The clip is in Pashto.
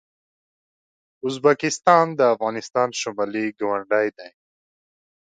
ازبکستان د افغانستان شمالي ګاونډی دی.